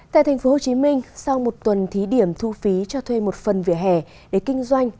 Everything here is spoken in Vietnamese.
tại tp hcm sau một tuần thí điểm thu phí cho thuê một phần vỉa hè để kinh doanh